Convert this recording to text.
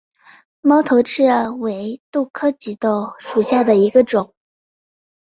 猫头刺为豆科棘豆属下的一个种。